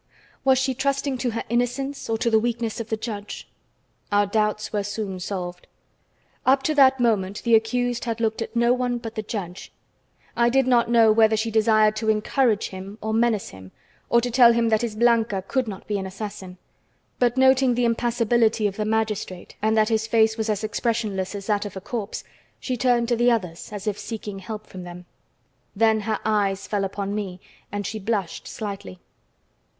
Was she trusting to her innocence or to the weakness of the judge? Our doubts were soon solved. Up to that moment the accused had looked at no one but the judge. I did not know whether she desired to encourage him or menace him, or to tell him that his Blanca could not be an assassin. But noting the impassibility of the magistrate and that his face was as expressionless as that of a corpse, she turned to the others, as if seeking help from them. Then her eyes fell upon me, and she blushed slightly.